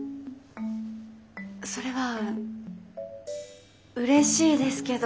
それはうれしいですけど。